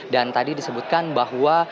dan tadi disebutkan bahwa